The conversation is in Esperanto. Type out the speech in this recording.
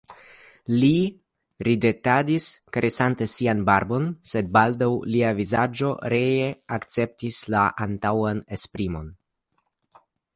Li ridetadis, karesante sian barbon, sed baldaŭ lia vizaĝo ree akceptis la antaŭan esprimon.